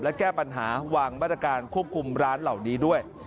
และแก้ปัญหาวางมาตรการควบคุมร้านเหล่านี้ด้วย